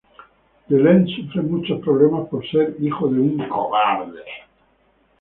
D´Leh sufre muchos problemas por ser hijo de un "cobarde".